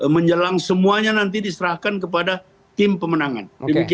menjelang semuanya nanti diserahkan kepada tim pemenangan